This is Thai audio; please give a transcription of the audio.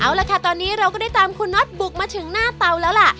เอาละค่ะตอนนี้เราก็ได้ตามคุณน็อตบุกมาถึงหน้าเตาแล้วล่ะ